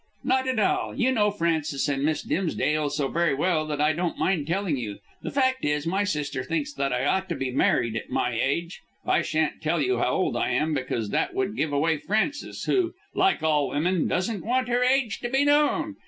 "Not at all. You know Frances and Miss Dimsdale so very well that I don't mind telling you. The fact is my sister thinks that I ought to be married at my age I shan't tell you how old I am because that would give away Frances, who, like all women, doesn't want her age to be known.